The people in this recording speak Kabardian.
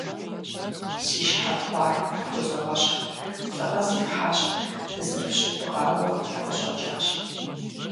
Си щхьэ тхъуар фхузогъэщхъ, лӀыгъэ зефхьащ, дызэрыфщыгугъауэ фыкъыщӀэкӀащ!